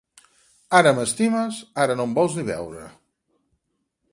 Ara m'estimes, ara no em vols ni veure.